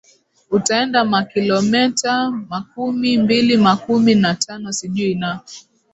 utaenda makilometa makumi mbili makumi na tano sijui na